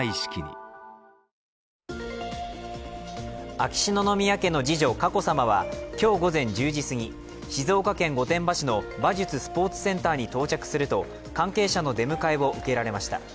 秋篠宮家の次女・佳子さまは今日午前１０時すぎ、静岡県御殿場市の馬術・スポーツセンターに到着すると、関係者の出迎えを受けられました。